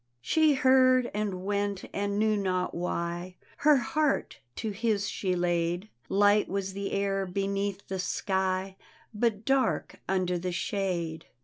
She heard and went and knew not why; Her heart to his she laid; Light was the air beneath the sky But dark under the shade.